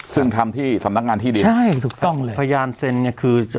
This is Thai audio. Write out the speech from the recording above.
ซึ่งทำที่สำนักงานที่ดินใช่ถูกต้องเลยพยานเซ็นเนี่ยคือ